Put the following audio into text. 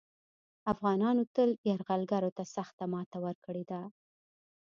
افغانانو تل یرغلګرو ته سخته ماته ورکړې ده